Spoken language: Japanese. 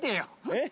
えっ？